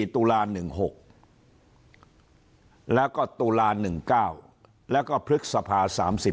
ตุลา๑๖แล้วก็ตุลา๑๙แล้วก็พฤษภา๓๔